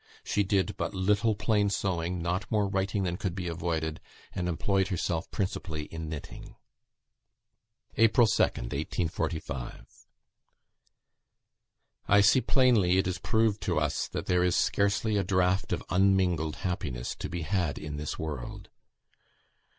She did but little plain sewing; not more writing than could be avoided, and employed herself principally in knitting. "April 2nd, 1845. "I see plainly it is proved to us that there is scarcely a draught of unmingled happiness to be had in this world.